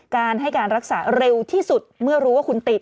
การให้การรักษาเร็วที่สุดเมื่อรู้ว่าคุณติด